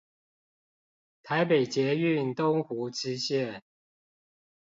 台北捷運東湖支線